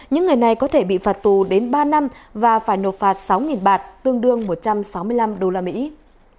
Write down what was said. những người này có thể bị phạt tù đến ba năm và phải nộp phạt sáu bạt tương đương một trăm sáu mươi năm usd